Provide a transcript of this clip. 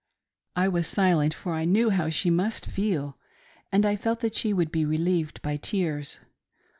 I was silent, for I knew how she must feel, and I felt that she would be relieved by tears.